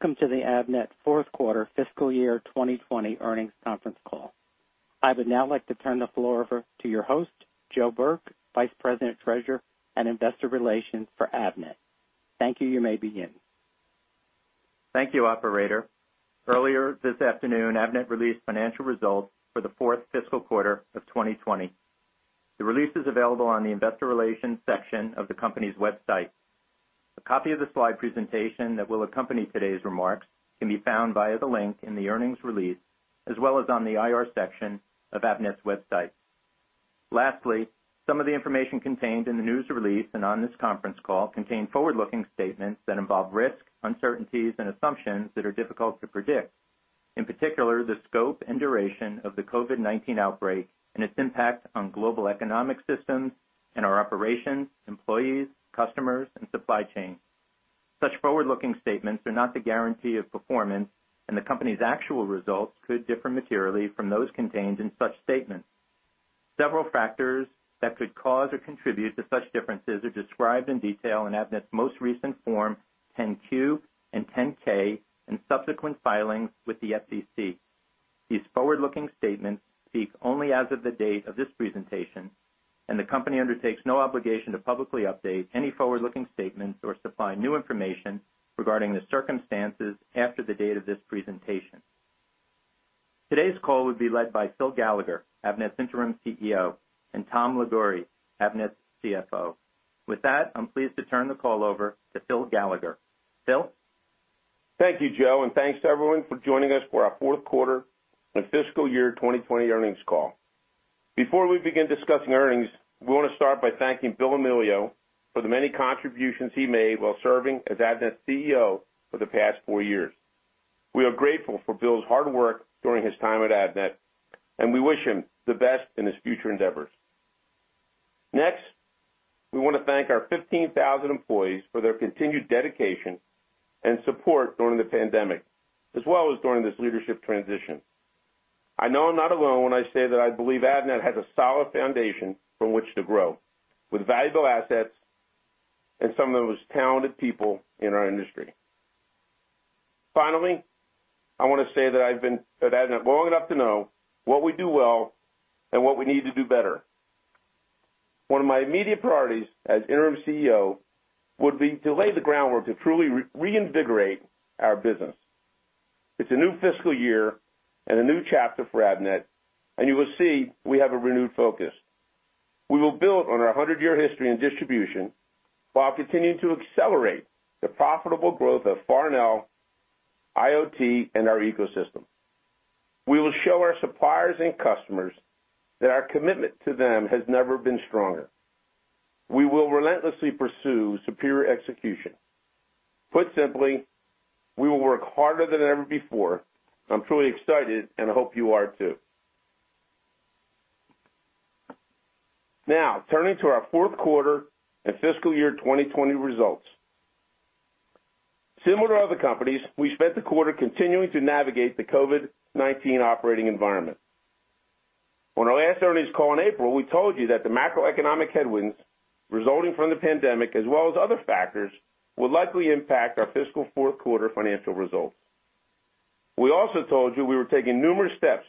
Welcome to the Avnet Fourth Quarter Fiscal Year 2020 Earnings Conference Call. I would now like to turn the floor over to your host, Joe Burke, Vice President, Treasurer, and Investor Relations for Avnet. Thank you. You may begin. Thank you, operator. Earlier this afternoon, Avnet released financial results for the fourth fiscal quarter of 2020. The release is available on the investor relations section of the company's website. A copy of the slide presentation that will accompany today's remarks can be found via the link in the earnings release, as well as on the IR section of Avnet's website. Some of the information contained in the news release and on this conference call contain forward-looking statements that involve risks, uncertainties, and assumptions that are difficult to predict, in particular, the scope and duration of the COVID-19 outbreak and its impact on global economic systems and our operations, employees, customers, and supply chain. Such forward-looking statements are not the guarantee of performance, and the company's actual results could differ materially from those contained in such statements. Several factors that could cause or contribute to such differences are described in detail in Avnet's most recent form 10-Q and 10-K, and subsequent filings with the SEC. These forward-looking statements speak only as of the date of this presentation, and the company undertakes no obligation to publicly update any forward-looking statements or supply new information regarding the circumstances after the date of this presentation. Today's call will be led by Phil Gallagher, Avnet's Interim CEO, and Tom Liguori, Avnet's CFO. With that, I'm pleased to turn the call over to Phil Gallagher. Phil? Thank you, Joe, and thanks to everyone for joining us for our Fourth Quarter and Fiscal Year 2020 Earnings Call. Before we begin discussing earnings, we want to start by thanking Bill Amelio for the many contributions he made while serving as Avnet's CEO for the past four years. We are grateful for Bill's hard work during his time at Avnet, and we wish him the best in his future endeavors. Next, we want to thank our 15,000 employees for their continued dedication and support during the pandemic, as well as during this leadership transition. I know I'm not alone when I say that I believe Avnet has a solid foundation from which to grow, with valuable assets and some of the most talented people in our industry. Finally, I want to say that I've been at Avnet long enough to know what we do well and what we need to do better. One of my immediate priorities as interim CEO would be to lay the groundwork to truly reinvigorate our business. It's a new fiscal year and a new chapter for Avnet. You will see we have a renewed focus. We will build on our 100-year history in distribution while continuing to accelerate the profitable growth of Farnell, IoT, and our ecosystem. We will show our suppliers and customers that our commitment to them has never been stronger. We will relentlessly pursue superior execution. Put simply, we will work harder than ever before. I'm truly excited. I hope you are too. Now, turning to our fourth quarter and fiscal year 2020 results. Similar to other companies, we spent the quarter continuing to navigate the COVID-19 operating environment. On our last earnings call in April, we told you that the macroeconomic headwinds resulting from the pandemic, as well as other factors, would likely impact our fiscal fourth quarter financial results. We also told you we were taking numerous steps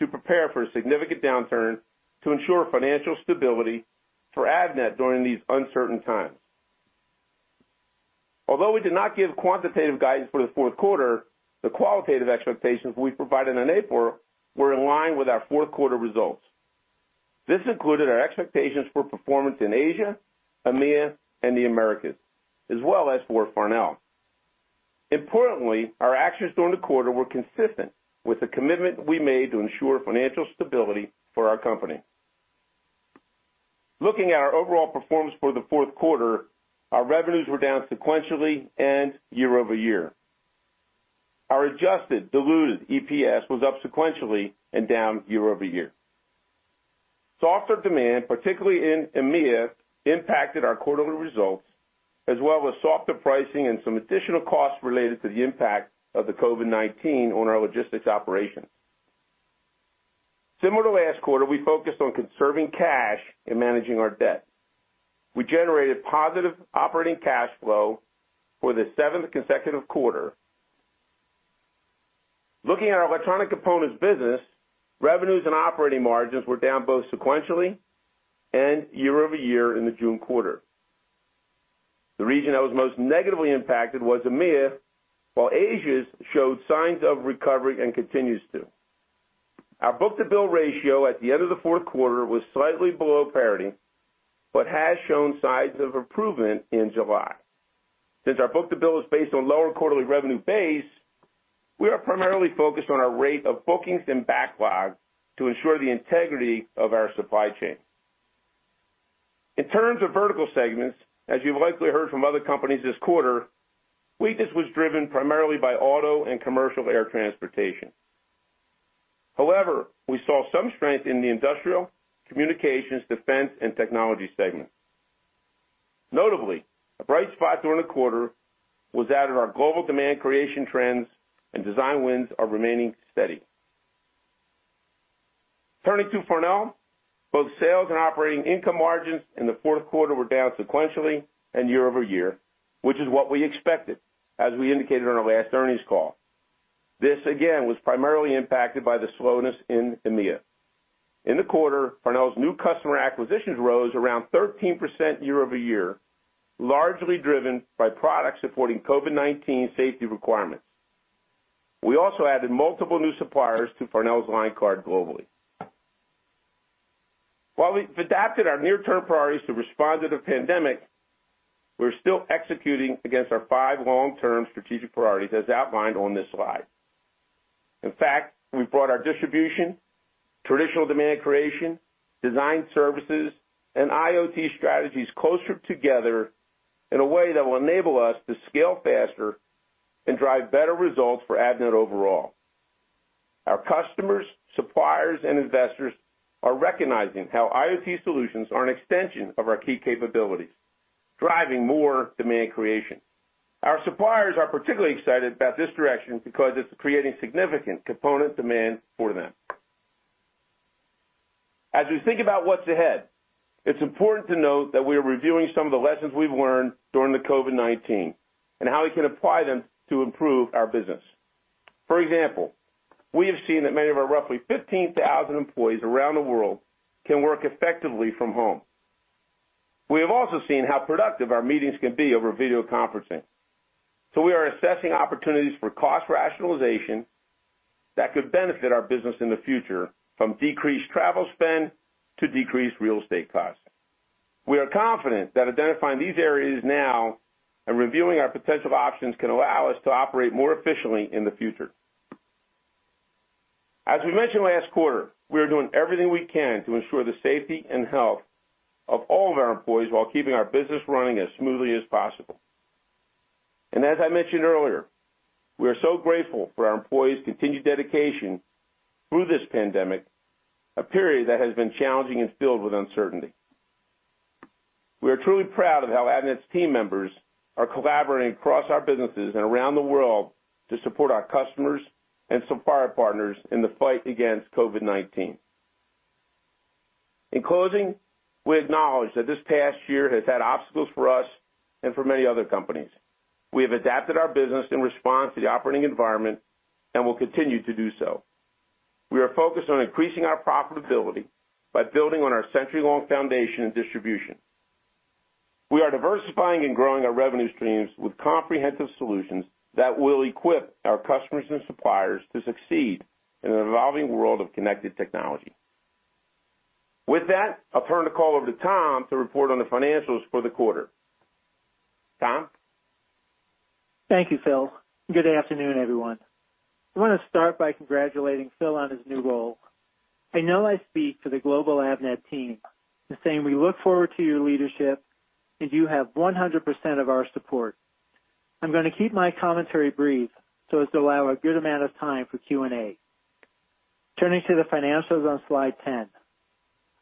to prepare for a significant downturn to ensure financial stability for Avnet during these uncertain times. Although we did not give quantitative guidance for the fourth quarter, the qualitative expectations we provided in April were in line with our fourth quarter results. This included our expectations for performance in Asia, EMEA, and the Americas, as well as for Farnell. Importantly, our actions during the quarter were consistent with the commitment we made to ensure financial stability for our company. Looking at our overall performance for the fourth quarter, our revenues were down sequentially and year-over-year. Our adjusted diluted EPS was up sequentially and down year-over-year. Softer demand, particularly in EMEA, impacted our quarterly results, as well as softer pricing and some additional costs related to the impact of the COVID-19 on our logistics operations. Similar to last quarter, we focused on conserving cash and managing our debt. We generated positive operating cash flow for the seventh consecutive quarter. Looking at our electronic components business, revenues and operating margins were down both sequentially and year-over-year in the June quarter. The region that was most negatively impacted was EMEA, while Asia's showed signs of recovery and continues to. Our book-to-bill ratio at the end of the fourth quarter was slightly below parity but has shown signs of improvement in July. Since our book-to-bill is based on lower quarterly revenue base, we are primarily focused on our rate of bookings and backlogs to ensure the integrity of our supply chain. In terms of vertical segments, as you've likely heard from other companies this quarter, weakness was driven primarily by auto and commercial air transportation. However, we saw some strength in the industrial, communications, defense, and technology segments. Notably, a bright spot during the quarter was that of our global demand creation trends and design wins are remaining steady. Turning to Farnell, both sales and operating income margins in the fourth quarter were down sequentially and year-over-year, which is what we expected, as we indicated on our last earnings call. This, again, was primarily impacted by the slowness in EMEA. In the quarter, Farnell's new customer acquisitions rose around 13% year-over-year, largely driven by products supporting COVID-19 safety requirements. We also added multiple new suppliers to Farnell's line card globally. While we've adapted our near-term priorities to respond to the pandemic, we're still executing against our five long-term strategic priorities as outlined on this slide. In fact, we've brought our distribution, traditional demand creation, design services, and IoT strategies closer together in a way that will enable us to scale faster and drive better results for Avnet overall. Our customers, suppliers, and investors are recognizing how IoT solutions are an extension of our key capabilities, driving more demand creation. Our suppliers are particularly excited about this direction because it's creating significant component demand for them. As we think about what's ahead, it's important to note that we are reviewing some of the lessons we've learned during the COVID-19, and how we can apply them to improve our business. For example, we have seen that many of our roughly 15,000 employees around the world can work effectively from home. We have also seen how productive our meetings can be over video conferencing. We are assessing opportunities for cost rationalization that could benefit our business in the future, from decreased travel spend to decreased real estate costs. We are confident that identifying these areas now and reviewing our potential options can allow us to operate more efficiently in the future. As we mentioned last quarter, we are doing everything we can to ensure the safety and health of all of our employees while keeping our business running as smoothly as possible. As I mentioned earlier, we are so grateful for our employees' continued dedication through this pandemic, a period that has been challenging and filled with uncertainty. We are truly proud of how Avnet's team members are collaborating across our businesses and around the world to support our customers and supplier partners in the fight against COVID-19. In closing, we acknowledge that this past year has had obstacles for us and for many other companies. We have adapted our business in response to the operating environment and will continue to do so. We are focused on increasing our profitability by building on our century-long foundation and distribution. We are diversifying and growing our revenue streams with comprehensive solutions that will equip our customers and suppliers to succeed in an evolving world of connected technology. With that, I'll turn the call over to Tom to report on the financials for the quarter. Tom? Thank you, Phil. Good afternoon, everyone. I want to start by congratulating Phil on his new role. I know I speak for the global Avnet team in saying we look forward to your leadership, and you have 100% of our support. I'm going to keep my commentary brief so as to allow a good amount of time for Q&A. Turning to the financials on slide 10.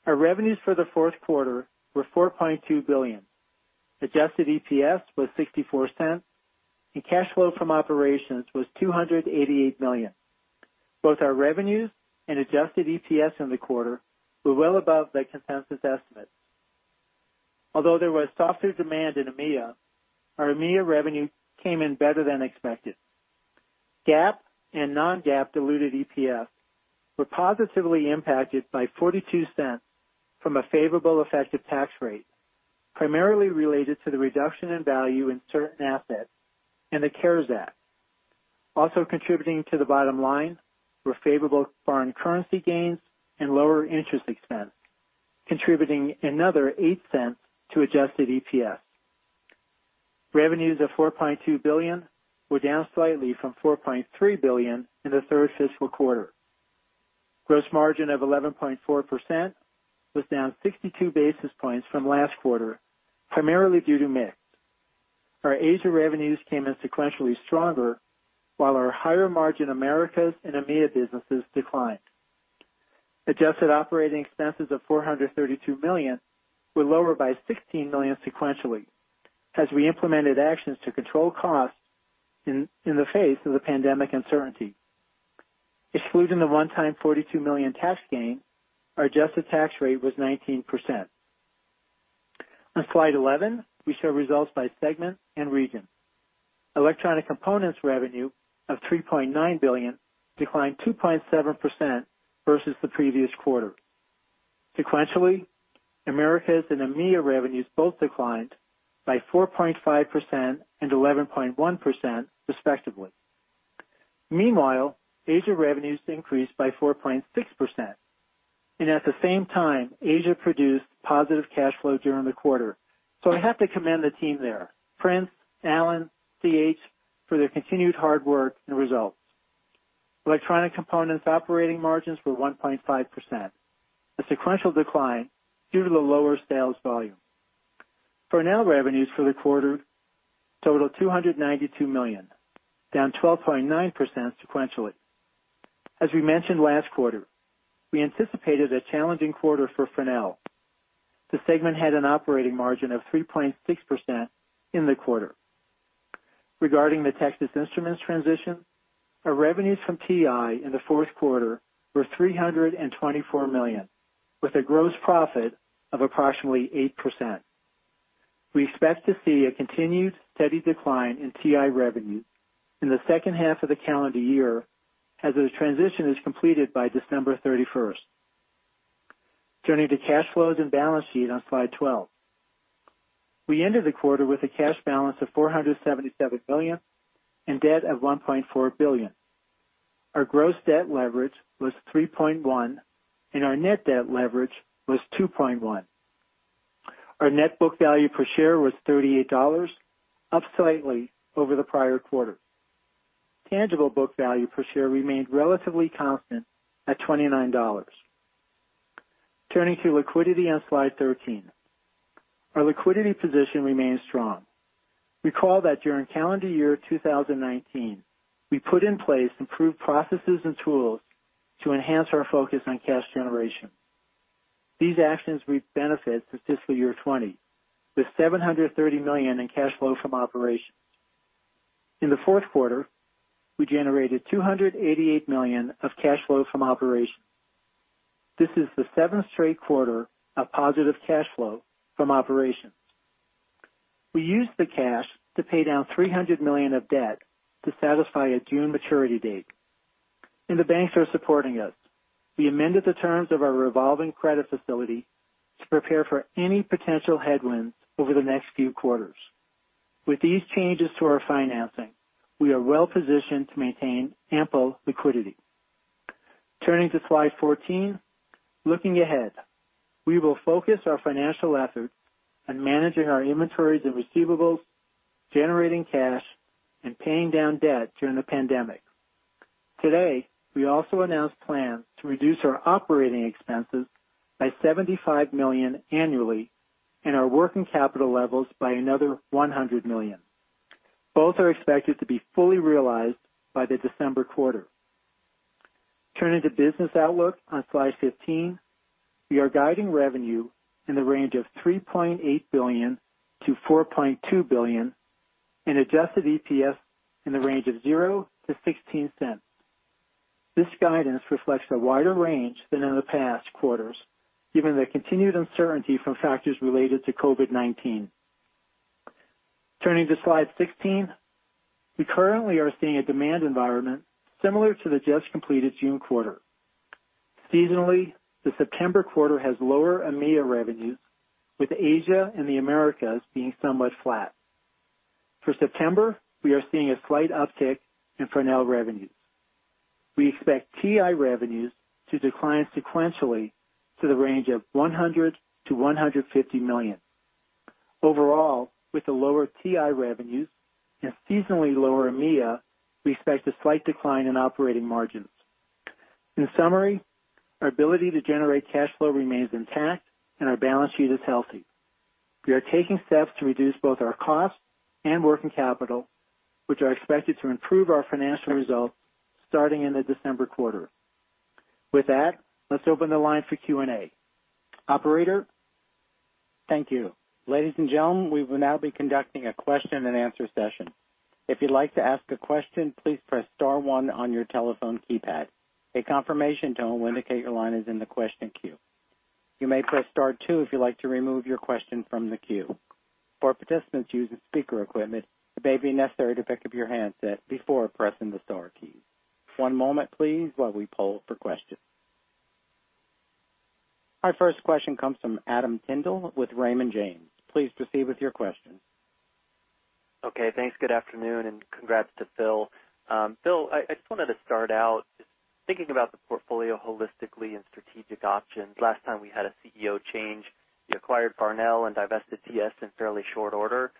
Our revenues for the fourth quarter were $4.2 billion. Adjusted EPS was $0.64, and cash flow from operations was $288 million. Both our revenues and adjusted EPS in the quarter were well above the consensus estimates. There was softer demand in EMEA, our EMEA revenue came in better than expected. GAAP and non-GAAP diluted EPS were positively impacted by $0.42 from a favorable effective tax rate, primarily related to the reduction in value in certain assets and the CARES Act. Also contributing to the bottom line were favorable foreign currency gains and lower interest expense, contributing another $0.08 to adjusted EPS. Revenues of $4.2 billion were down slightly from $4.3 billion in the third fiscal quarter. Gross margin of 11.4% was down 62 basis points from last quarter, primarily due to mix. Our Asia revenues came in sequentially stronger, while our higher-margin Americas and EMEA businesses declined. Adjusted operating expenses of $432 million were lower by $16 million sequentially as we implemented actions to control costs in the face of the pandemic uncertainty. Excluding the one-time $42 million tax gain, our adjusted tax rate was 19%. On slide 11, we show results by segment and region. electronic components revenue of $3.9 billion declined 2.7% versus the previous quarter. Sequentially, Americas and EMEA revenues both declined by 4.5% and 11.1%, respectively. Meanwhile, Asia revenues increased by 4.6%, and at the same time, Asia produced positive cash flow during the quarter. I have to commend the team there, Prince, Alan, CH, for their continued hard work and results. electronic components operating margins were 1.5%, a sequential decline due to the lower sales volume. Farnell revenues for the quarter total $292 million, down 12.9% sequentially. We mentioned last quarter, we anticipated a challenging quarter for Farnell. The segment had an operating margin of 3.6% in the quarter. Regarding the Texas Instruments transition, our revenues from TI in the fourth quarter were $324 million, with a gross profit of approximately 8%. We expect to see a continued steady decline in TI revenue in the second half of the calendar year, as the transition is completed by December 31st. Turning to cash flows and balance sheet on slide 12. We ended the quarter with a cash balance of $477 million and debt of $1.4 billion. Our gross debt leverage was 3.1, and our net debt leverage was 2.1. Our net book value per share was $38, up slightly over the prior quarter. Tangible book value per share remained relatively constant at $29. Turning to liquidity on slide 13. Our liquidity position remains strong. Recall that during calendar year 2019, we put in place improved processes and tools to enhance our focus on cash generation. These actions reaped benefit for fiscal year 2020, with $730 million in cash flow from operations. In the fourth quarter, we generated $288 million of cash flow from operations. This is the seventh straight quarter of positive cash flow from operations. We used the cash to pay down $300 million of debt to satisfy a June maturity date, and the banks are supporting us. We amended the terms of our revolving credit facility to prepare for any potential headwinds over the next few quarters. With these changes to our financing, we are well positioned to maintain ample liquidity. Turning to slide 14. Looking ahead, we will focus our financial efforts on managing our inventories and receivables, generating cash, and paying down debt during the pandemic. Today, we also announced plans to reduce our operating expenses by $75 million annually and our working capital levels by another $100 million. Both are expected to be fully realized by the December quarter. Turning to business outlook on slide 15. We are guiding revenue in the range of $3.8 billion-$4.2 billion and adjusted EPS in the range of zero to $0.16. This guidance reflects a wider range than in the past quarters, given the continued uncertainty from factors related to COVID-19. Turning to slide 16. We currently are seeing a demand environment similar to the just-completed June quarter. Seasonally, the September quarter has lower EMEA revenues, with Asia and the Americas being somewhat flat. For September, we are seeing a slight uptick in Farnell revenues. We expect TI revenues to decline sequentially to the range of $100 million-$150 million. Overall, with the lower TI revenues and seasonally lower EMEA, we expect a slight decline in operating margins. In summary, our ability to generate cash flow remains intact, and our balance sheet is healthy. We are taking steps to reduce both our costs and working capital, which are expected to improve our financial results starting in the December quarter. With that, let's open the line for Q&A. Operator? Thank you. Ladies and Gentlemen, we would now be conducting a question and answer session. If you like to ask a question, please press star one on your telephone keypad. A confirmation to indicate your line is in the question queue. You may press star two if you'd like to remove your question from the queue. One moment please, while we poll for question. Our first question comes from Adam Tindle with Raymond James. Please proceed with your question. Okay. Thanks. Good afternoon, congrats to Phil. Phil, I just wanted to start out just thinking about the portfolio holistically and strategic options. Last time we had a CEO change, you acquired Farnell and divested TS in fairly short order.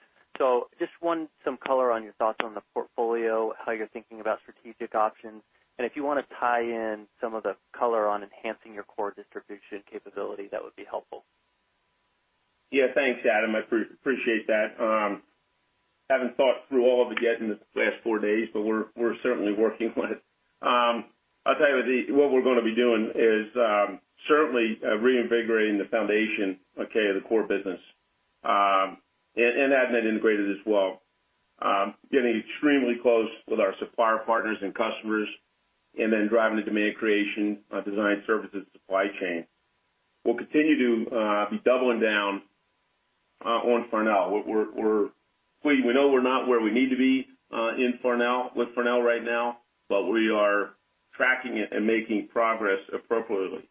Just want some color on your thoughts on the portfolio, how you're thinking about strategic options, and if you want to tie in some of the color on enhancing your core distribution capability, that would be helpful. Yeah. Thanks, Adam Tindle. I appreciate that. Haven't thought through all of it yet in the past four days, but we're certainly working on it. I'll tell you what we're going to be doing is certainly reinvigorating the foundation of the core business, and Avnet Integrated as well. Getting extremely close with our supplier partners and customers, then driving the demand creation design services supply chain. We'll continue to be doubling down on Farnell. We know we're not where we need to be with Farnell right now, we are tracking it and making progress appropriately.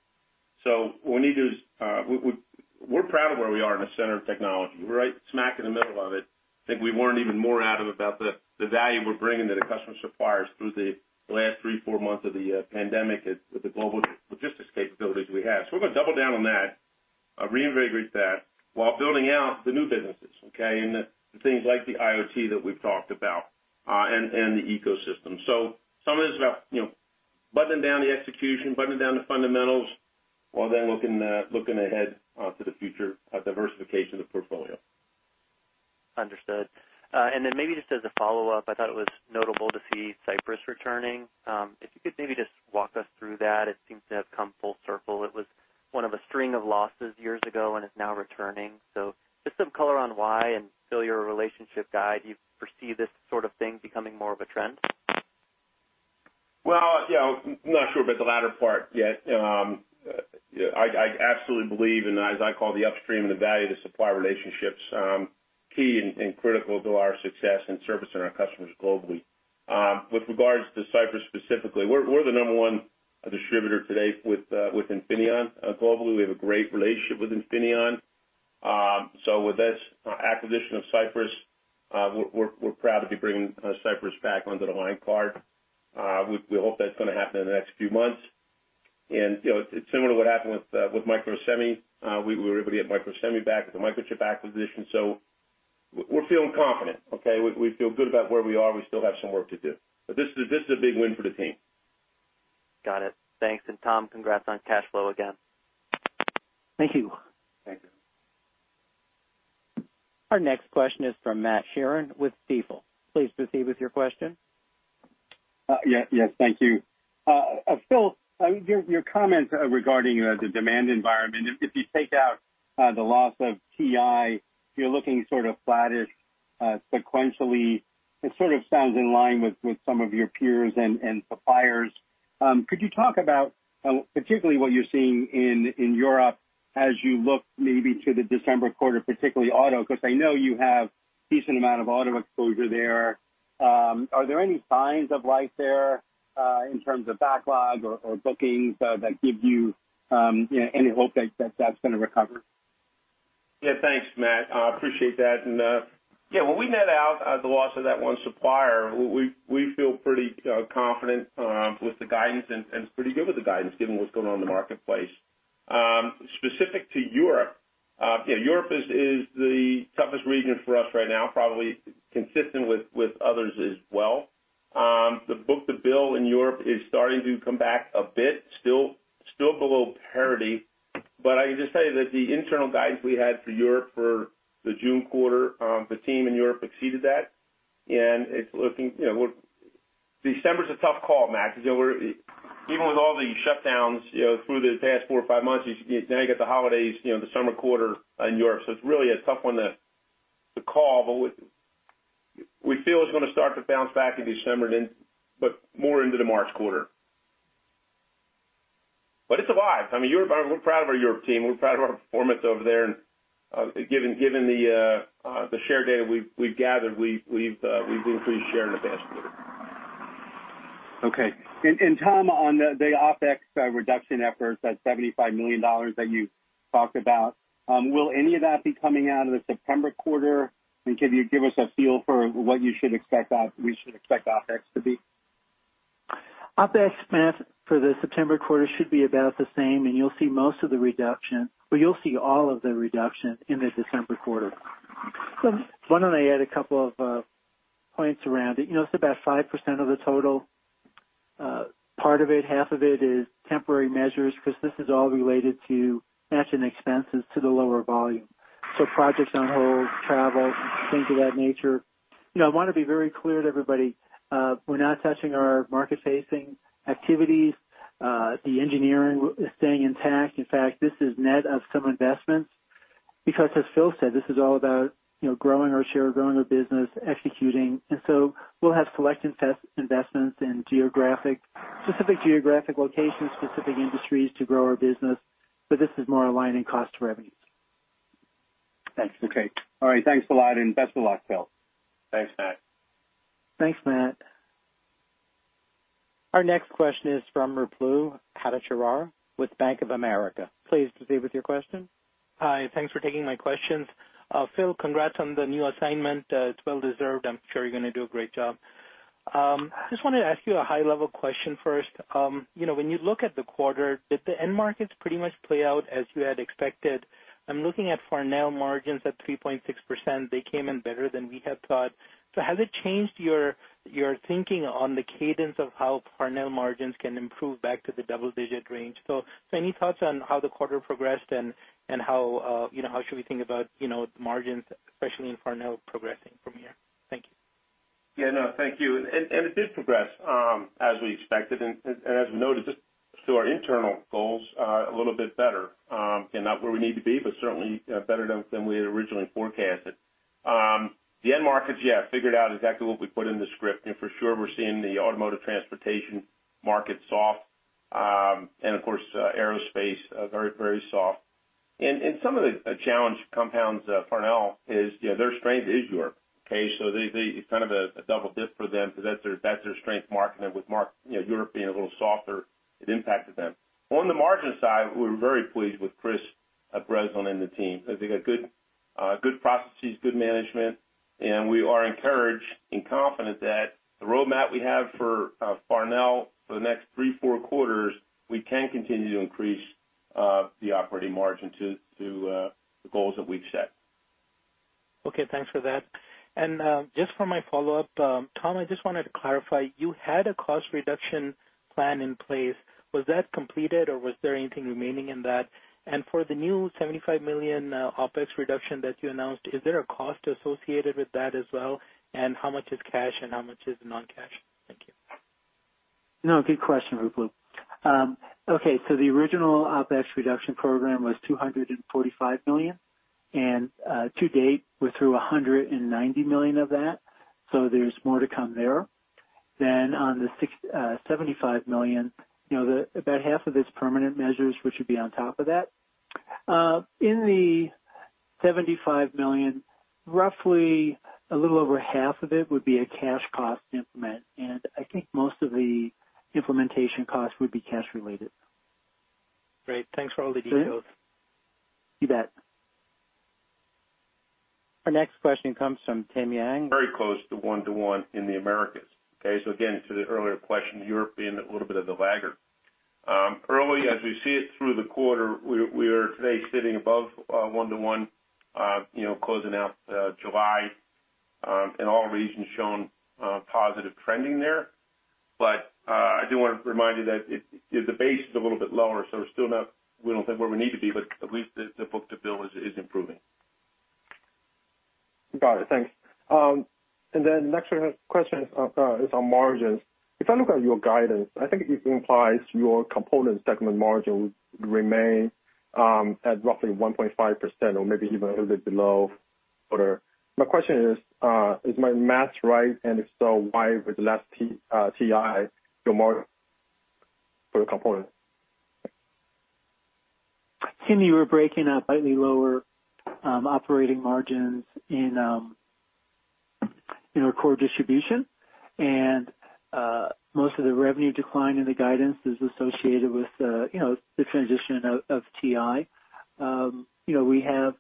We're proud of where we are in the center of technology. We're right smack in the middle of it. We think we weren't even more adamant about the value we're bringing to the customer suppliers through the last three, four months of the pandemic with the global logistics capabilities we have. We're going to double down on that, reinvigorate that, while building out the new businesses, okay? In the things like the IoT that we've talked about, and the ecosystem. Some of this is about buttoning down the execution, buttoning down the fundamentals, while then looking ahead to the future diversification of the portfolio. Understood. Maybe just as a follow-up, I thought it was notable to see Cypress returning. If you could maybe just walk us through that. It seems to have come full circle. It was one of a string of losses years ago and is now returning. Just some color on why, and Phil, your relationship guy, do you foresee this sort of thing becoming more of a trend? Well, I'm not sure about the latter part yet. I absolutely believe in, as I call the upstream and the value of the supplier relationships, key and critical to our success in servicing our customers globally. With regards to Cypress specifically, we're the number one distributor today with Infineon globally. We have a great relationship with Infineon. With this acquisition of Cypress, we're proud to be bringing Cypress back onto the line card. We hope that's going to happen in the next few months. It's similar to what happened with Microsemi. We were able to get Microsemi back with the Microchip acquisition, we're feeling confident. Okay? We feel good about where we are. We still have some work to do, this is a big win for the team. Got it. Thanks. Tom, congrats on cash flow again. Thank you. Thank you. Our next question is from Matt Sheerin with Stifel. Please proceed with your question. Yes. Thank you. Phil, your comments regarding the demand environment, if you take out the loss of TI, you're looking sort of flattish sequentially. It sort of sounds in line with some of your peers and suppliers. Could you talk about particularly what you're seeing in Europe as you look maybe to the December quarter, particularly auto? Because I know you have decent amount of auto exposure there. Are there any signs of life there, in terms of backlog or bookings that give you any hope that's going to recover? Yeah. Thanks, Matt. I appreciate that. When we net out the loss of that one supplier, we feel pretty confident with the guidance and pretty good with the guidance given what's going on in the marketplace. Specific to Europe is the toughest region for us right now, probably consistent with others as well. The book-to-bill in Europe is starting to come back a bit. Still below parity, I can just tell you that the internal guidance we had for Europe for the June quarter, the team in Europe exceeded that, it's looking December's a tough call, Matt, because even with all the shutdowns through the past four or five months, now you got the holidays, the summer quarter in Europe. It's really a tough one to call, we feel it's going to start to bounce back in December, more into the March quarter. It's alive. We're proud of our Europe team. We're proud of our performance over there, and given the share data we've gathered, we've increased share in the past quarter. Okay. Tom, on the OpEx reduction efforts, that $75 million that you talked about, will any of that be coming out of the September quarter? Can you give us a feel for what we should expect OpEx to be? OpEx, Matt, for the September quarter should be about the same. You'll see most of the reduction, well, you'll see all of the reduction in the December quarter. Why don't I add a couple of points around it? It's about 5% of the total. Part of it, half of it is temporary measures because this is all related to matching expenses to the lower volume. Projects on hold, travel, things of that nature. I want to be very clear to everybody, we're not touching our market-facing activities. The engineering is staying intact. In fact, this is net of some investments because as Phil said, this is all about growing our share, growing our business, executing. We'll have select investments in specific geographic locations, specific industries to grow our business. This is more aligning cost to revenues. Thanks. Okay. All right. Thanks a lot, and best of luck, Phil. Thanks, Matt. Thanks, Matt. Our next question is from Ruplu Bhattacharya with Bank of America. Please proceed with your question. Hi. Thanks for taking my questions. Phil, congrats on the new assignment. It's well deserved. I'm sure you're going to do a great job. Just wanted to ask you a high-level question first. When you look at the quarter, did the end markets pretty much play out as you had expected? I'm looking at Farnell margins at 3.6%. They came in better than we had thought. Has it changed your thinking on the cadence of how Farnell margins can improve back to the double-digit range? Any thoughts on how the quarter progressed and how should we think about margins, especially in Farnell progressing from here? Thank you. No, thank you. It did progress, as we expected and as we noted, to our internal goals a little bit better. Not where we need to be, certainly better than we had originally forecasted. The end markets figured out exactly what we put in the script. For sure we're seeing the automotive transportation market soft. Of course, aerospace, very soft. Some of the challenge compounds Farnell is their strength is Europe. Okay. It's kind of a double dip for them because that's their strength market, and with Europe being a little softer, it impacted them. On the margin side, we're very pleased with Chris Breslin and the team. I think they got good processes, good management, and we are encouraged and confident that the roadmap we have for Farnell for the next three, four quarters, we can continue to increase the operating margin to the goals that we've set. Okay, thanks for that. Just for my follow-up, Tom, I just wanted to clarify, you had a cost reduction plan in place. Was that completed or was there anything remaining in that? For the new $75 million OpEx reduction that you announced, is there a cost associated with that as well, and how much is cash and how much is non-cash? Thank you. No, good question, Ruplu. Okay, the original OpEx reduction program was $245 million, and to date, we're through $190 million of that, so there's more to come there. On the $75 million, about half of it's permanent measures, which would be on top of that. In the $75 million, roughly a little over half of it would be a cash cost to implement, and I think most of the implementation costs would be cash related. Great. Thanks for all the details. You bet. Our next question comes from Tim Yang. Very close to one to one in the Americas. Okay, again, to the earlier question, Europe being a little bit of the laggard. Early as we see it through the quarter, we are today sitting above one to one, closing out July, all regions shown positive trending there. I do want to remind you that the base is a little bit lower, we don't think we're where we need to be, at least the book-to-bill is improving. Got it. Thanks. Next question is on margins. If I look at your guidance, I think it implies your component segment margin would remain at roughly 1.5% or maybe even a little bit below quarter. My question is my math right? If so, why with less TI, your margin for the component? Tim, you are breaking out slightly lower operating margins in our core distribution. Most of the revenue decline in the guidance is associated with the transition out of TI. We have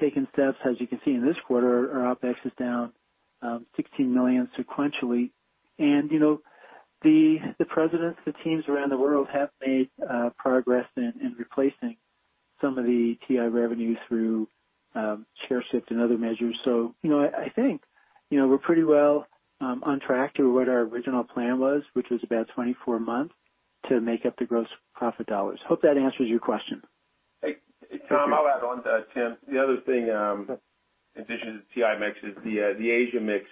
taken steps, as you can see in this quarter, our OpEx is down $16 million sequentially. The presidents, the teams around the world have made progress in replacing some of the TI revenue through share shift and other measures. I think we're pretty well on track to what our original plan was, which was about 24 months to make up the gross profit dollars. Hope that answers your question. Hey, Tom, I'll add on to that, Tim. The other thing, in addition to the TI mix is the Asia mix.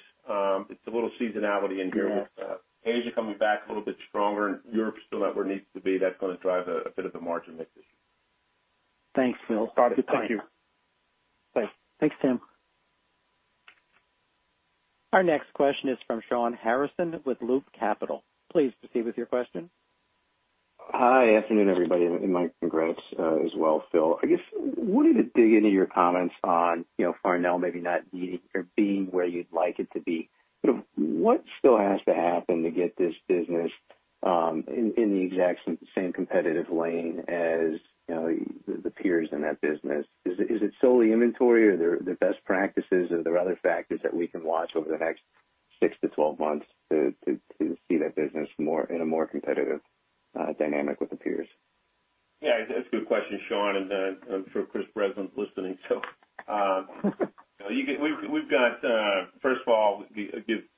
It's a little seasonality in here with Asia coming back a little bit stronger and Europe still not where it needs to be. That's going to drive a bit of the margin mix issue. Thanks, Phil. Got it. Thank you. Bye. Thanks, Tim. Our next question is from Stahawn Harrison with Loop Capital. Please proceed with your question. Hi. Afternoon, everybody, and my congrats as well, Phil. I guess, wanted to dig into your comments on Farnell maybe not being where you'd like it to be. What still has to happen to get this business in the exact same competitive lane as the peers in that business? Is it solely inventory, are there best practices, are there other factors that we can watch over the next 6-12 months to see that business in a more competitive dynamic with the peers? Yeah, it's a good question, Shawn. I'm sure Chris Breslin listening. First of all,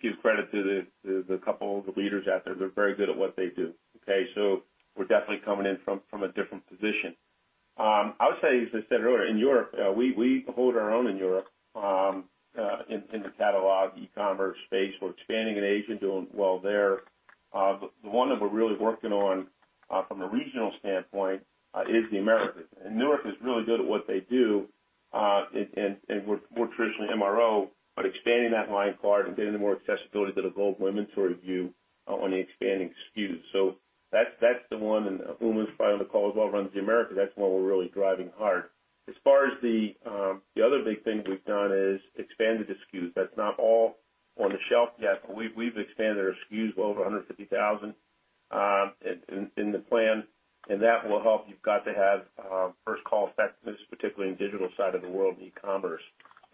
give credit to the leaders out there. They're very good at what they do. We're definitely coming in from a different position. I would say, as I said earlier, in Europe, we hold our own in Europe in the catalog, e-commerce space. We're expanding in Asia and doing well there. The one that we're really working on from a regional standpoint is the Americas. Newark is really good at what they do. We're more traditionally MRO, but expanding that line card and getting the more accessibility to the global inventory view on the expanding SKUs. That's the one. Uma's probably on the call as well, runs the Americas. That's one we're really driving hard. As far as the other big thing we've done is expanded the SKUs. That's not all on the shelf yet, but we've expanded our SKUs well over 150,000 in the plan, and that will help. You've got to have first call effectiveness, particularly in the digital side of the world and e-commerce.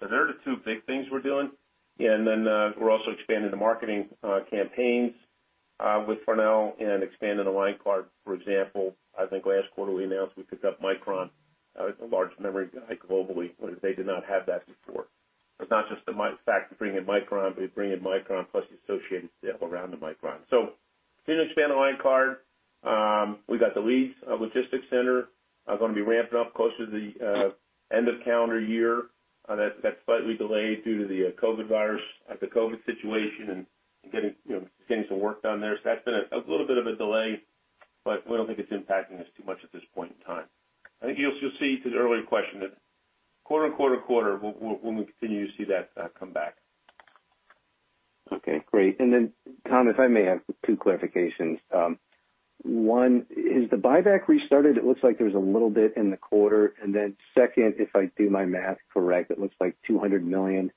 They're the two big things we're doing. We're also expanding the marketing campaigns with Farnell and expanding the line card. For example, I think last quarterly announced we picked up Micron. It's a large memory guy globally, but they did not have that before. It's not just the fact of bringing in Micron, but bringing in Micron plus the associated stuff around the Micron. Continuing to expand the line card. We've got the Leeds logistics center going to be ramping up close to the end of calendar year. That's slightly delayed due to the COVID virus, the COVID situation, and getting some work done there. That's been a little bit of a delay, but we don't think it's impacting us too much at this point in time. I think you'll see to the earlier question that quarter to quarter to quarter, we'll continue to see that come back. Okay, great. Tom, if I may, I have two clarifications. One, is the buyback restarted? It looks like there was a little bit in the quarter. Second, if I do my math correct, it looks like $200 million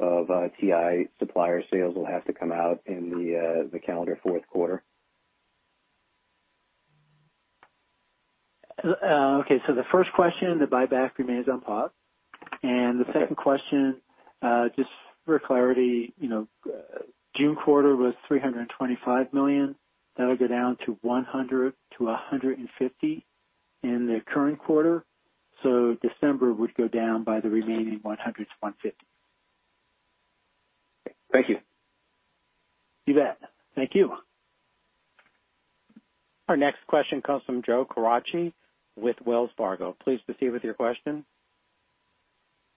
of TI supplier sales will have to come out in the calendar fourth quarter. The first question, the buyback remains on pause. The second question, just for clarity, June quarter was $325 million. That'll go down to $100-$150 in the current quarter. December would go down by the remaining $100-$150. Thank you. You bet. Thank you. Our next question comes from Joe Quatrochi with Wells Fargo. Please proceed with your question.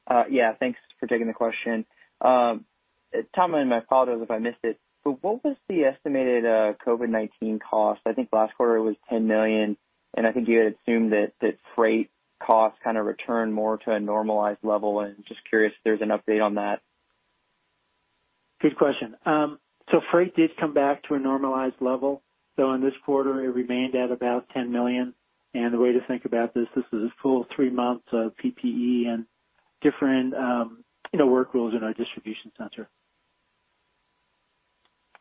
Yeah. Thanks for taking the question. Tom, and my follow is if I missed it, but what was the estimated COVID-19 cost? I think last quarter it was $10 million, and I think you had assumed that freight costs kind of return more to a normalized level. Just curious if there's an update on that. Good question. Freight did come back to a normalized level, though in this quarter it remained at about $10 million. The way to think about this is a full three months of PPE and different work rules in our distribution center.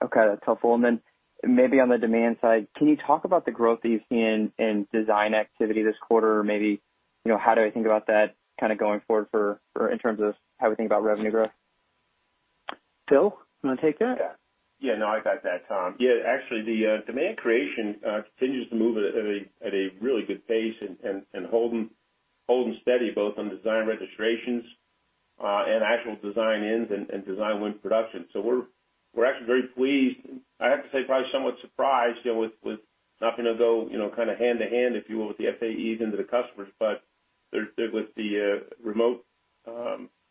Okay. That's helpful. Maybe on the demand side, can you talk about the growth that you've seen in design activity this quarter? How do I think about that kind of going forward for in terms of how we think about revenue growth? Phil, you want to take that? Yeah, no, I got that, Tom. Actually the demand creation continues to move at a really good pace and holding steady both on design registrations, and actual design-ins and design win production. We're actually very pleased. I have to say probably somewhat surprised, with not going to go kind of hand in hand, if you will, with the FAEs into the customers, but with the remote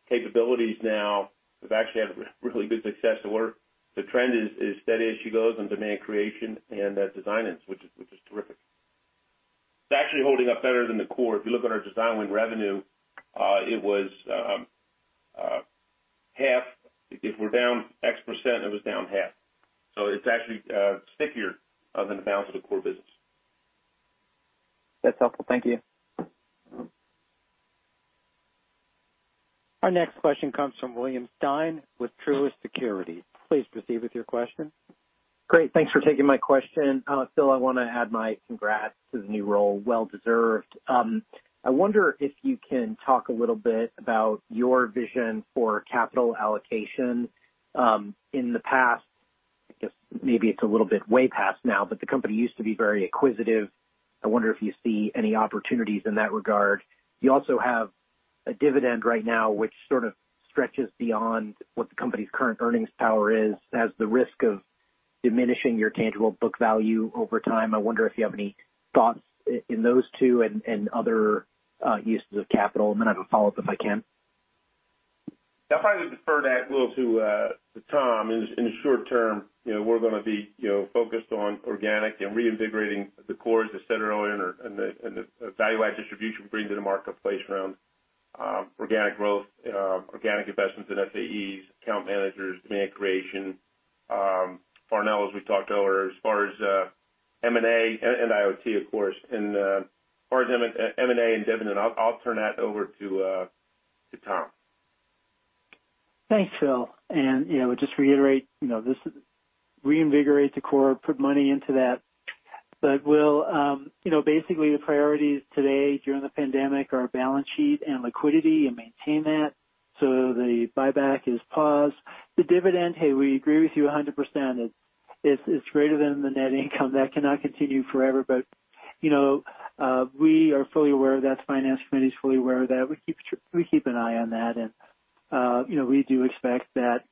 capabilities now, we've actually had really good success. The trend is steady as she goes in demand creation and design-ins, which is terrific. It's actually holding up better than the core. If you look at our design win revenue, it was half. If we're down X%, it was down half. It's actually stickier than the balance of the core business. That's helpful. Thank you. Our next question comes from William Stein with Truist Securities. Please proceed with your question. Great. Thanks for taking my question. Phil, I want to add my congrats to the new role. Well deserved. I wonder if you can talk a little bit about your vision for capital allocation. In the past, I guess maybe it's a little bit way past now, but the company used to be very acquisitive. I wonder if you see any opportunities in that regard. You also have a dividend right now which sort of stretches beyond what the company's current earnings power is, has the risk of diminishing your tangible book value over time. I wonder if you have any thoughts in those two and other uses of capital, and then I have a follow-up, if I can. I'll probably defer that, Will, to Tom. In the short term, we're going to be focused on organic and reinvigorating the core, as I said earlier, and the value add distribution we bring to the marketplace around organic growth, organic investments in FAEs, account managers, demand creation. Farnell, as we talked earlier, as far as M&A and IoT, of course. As far as M&A and dividend, I'll turn that over to Tom. Thanks, Phil. Just reiterate, reinvigorate the core, put money into that. Will, basically the priorities today during the pandemic are balance sheet and liquidity and maintain that. The buyback is paused. The dividend, hey, we agree with you 100%, it's greater than the net income. That cannot continue forever. We are fully aware of that. The finance committee is fully aware of that. We keep an eye on that, and we do expect that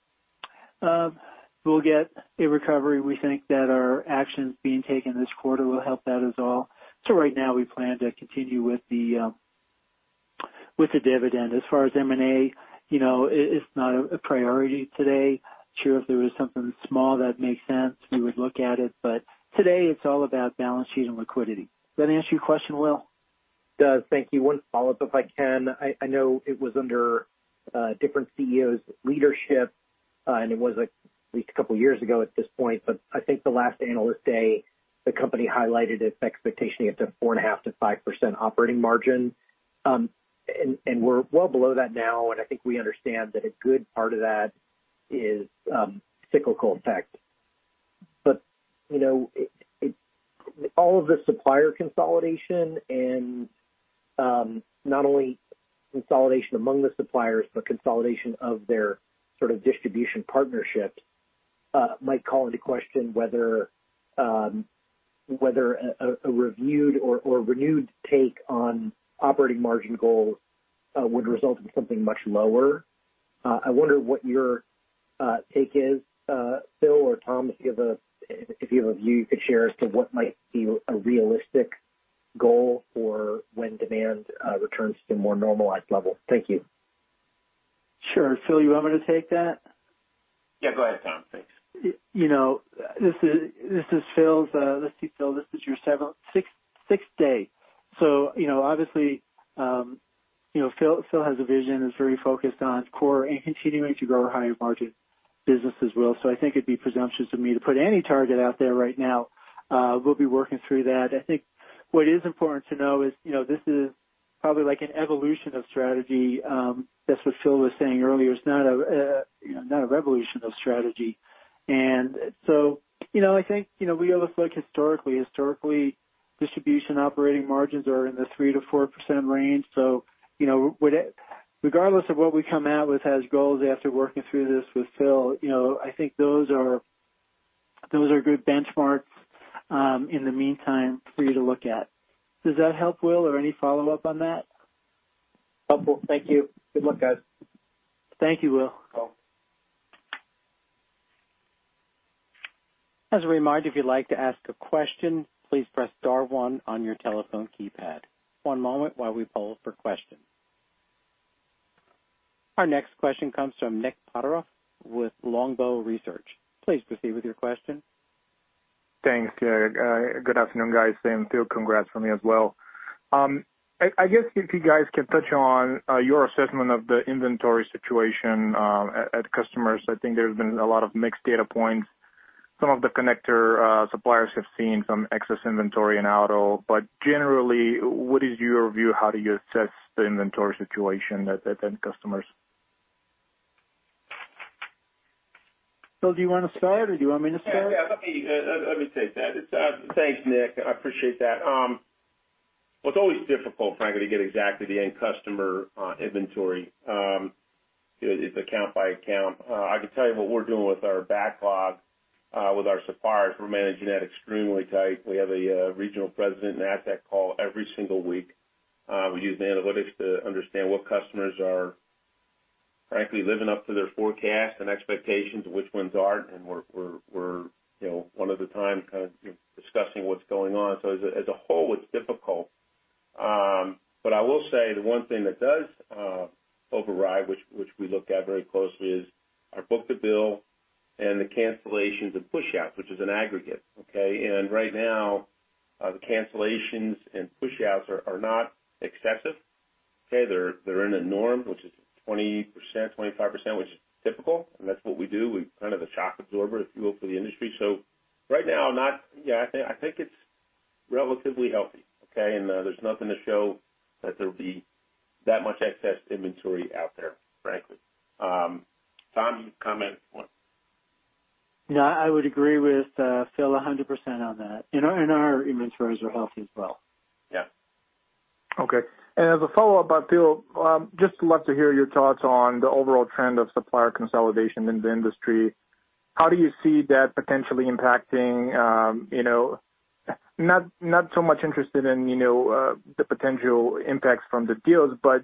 we'll get a recovery. We think that our actions being taken this quarter will help that as well. Right now we plan to continue with the dividend. As far as M&A, it's not a priority today. Sure, if there was something small that makes sense, we would look at it. Today it's all about balance sheet and liquidity. Does that answer your question, Will? It does. Thank you. One follow-up, if I can. I know it was under different CEO's leadership, and it was at least a couple of years ago at this point, but I think the last Analyst Day, the company highlighted its expectation to get to 4.5%-5% operating margin. We're well below that now, and I think we understand that a good part of that is cyclical effect. All of the supplier consolidation and not only consolidation among the suppliers, but consolidation of their sort of distribution partnerships, might call into question whether a reviewed or renewed take on operating margin goals would result in something much lower. I wonder what your take is, Phil or Tom, if you have a view you could share as to what might be a realistic goal for when demand returns to more normalized levels. Thank you. Sure. Phil, you want me to take that? Yeah, go ahead, Tom. Thanks. Let's see, Phil, this is your sixth day. Obviously Phil has a vision, is very focused on core and continuing to grow our higher margin business as well. I think it'd be presumptuous of me to put any target out there right now. We'll be working through that. I think what is important to know is this is probably like an evolution of strategy. That's what Phil was saying earlier. It's not a revolution of strategy. I think we ought to look historically. Historically, distribution operating margins are in the 3%-4% range. Regardless of what we come out with as goals after working through this with Phil, I think those are good benchmarks in the meantime for you to look at. Does that help, Will, or any follow-up on that? Helpful. Thank you. Good luck, guys. Thank you, Will. Cool. As a reminder, if you'd like to ask a question, please press star one on your telephone keypad. One moment while we poll for questions. Our next question comes from Nik Todorov with Longbow Research. Please proceed with your question. Thanks, Gary. Good afternoon, guys. Phil, congrats from me as well. I guess if you guys can touch on your assessment of the inventory situation at customers. I think there's been a lot of mixed data points. Some of the connector suppliers have seen some excess inventory in auto. Generally, what is your view? How do you assess the inventory situation at end customers? Phil, do you want to start, or do you want me to start? Let me take that. Thanks, Nik. I appreciate that. Well, it's always difficult, frankly, to get exactly the end customer inventory. It's account by account. I can tell you what we're doing with our backlog with our suppliers. We're managing that extremely tight. We have a regional president and [AdTech] call every single week. We use analytics to understand what customers are, frankly, living up to their forecast and expectations, and which ones aren't. We're, one at a time, discussing what's going on. As a whole, it's difficult. I will say the one thing that does override, which we look at very closely, is our book-to-bill and the cancellations and pushouts, which is an aggregate. Okay? Right now, the cancellations and pushouts are not excessive. They're in the norm, which is 20%, 25%, which is typical, and that's what we do. We're kind of a shock absorber, if you will, for the industry. Right now, I think it's relatively healthy. Okay? There's nothing to show that there'll be that much excess inventory out there, frankly. Tom, you can comment more. Yeah, I would agree with Phil 100% on that. Our inventories are healthy as well. Yeah. Okay. As a follow-up, Phil, just love to hear your thoughts on the overall trend of supplier consolidation in the industry. How do you see that potentially impacting-- Not so much interested in the potential impacts from the deals, but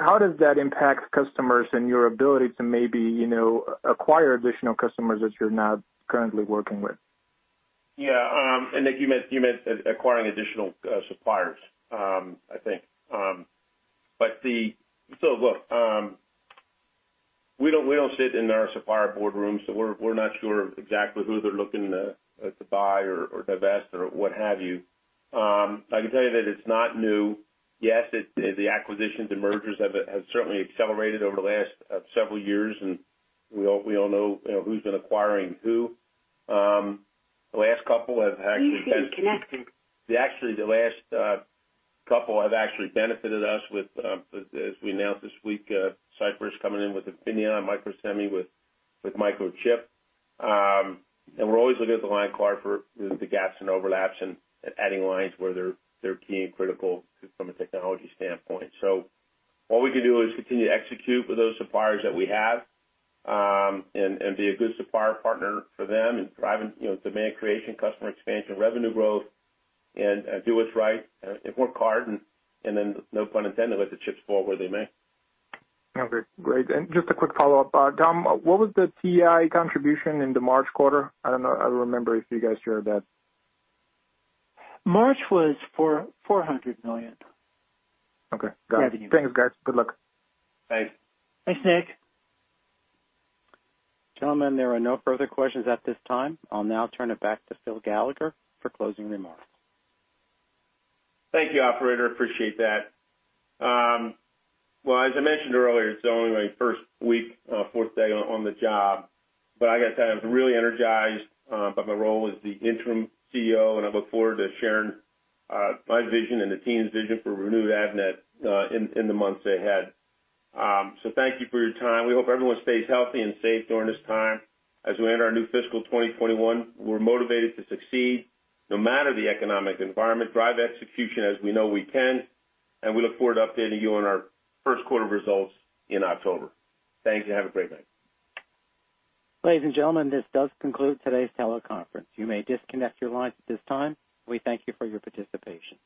how does that impact customers and your ability to maybe acquire additional customers that you're not currently working with? Yeah. Nick, you meant acquiring additional suppliers, I think. Look, we don't sit in our supplier boardrooms, so we're not sure exactly who they're looking to buy or divest or what have you. I can tell you that it's not new. Yes, the acquisitions and mergers have certainly accelerated over the last several years, and we all know who's been acquiring who. The last couple have actually benefited us with, as we announced this week, Cypress coming in with Infineon, Microsemi with Microchip. We're always looking at the line card for the gaps and overlaps and adding lines where they're key and critical from a technology standpoint. What we can do is continue to execute with those suppliers that we have, and be a good supplier partner for them and driving demand creation, customer expansion, revenue growth, and do what's right and work hard, and then no pun intended, let the chips fall where they may. Okay, great. Just a quick follow-up. Tom, what was the TI contribution in the March quarter? I don't know, I don't remember if you guys shared that. March was $400 million. Okay, got it. Revenue. Thanks, guys. Good luck. Thanks. Thanks, Nick. Gentlemen, there are no further questions at this time. I'll now turn it back to Phil Gallagher for closing remarks. Thank you, operator. Appreciate that. As I mentioned earlier, it's only my first week, fourth day on the job. I got to tell you, I'm really energized by my role as the interim CEO, and I look forward to sharing my vision and the team's vision for renewed Avnet in the months ahead. Thank you for your time. We hope everyone stays healthy and safe during this time as we enter our new fiscal 2021. We're motivated to succeed no matter the economic environment, drive execution as we know we can, and we look forward to updating you on our first quarter results in October. Thank you. Have a great night. Ladies and gentlemen, this does conclude today's teleconference. You may disconnect your lines at this time. We thank you for your participation.